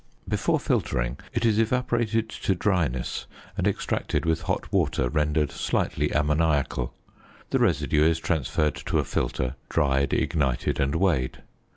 Before filtering, it is evaporated to dryness and extracted with hot water rendered slightly ammoniacal. The residue is transferred to a filter, dried, ignited, and weighed.